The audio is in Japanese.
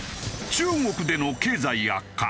中国での経済悪化。